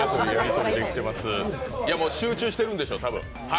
集中してるんでしょう、多分。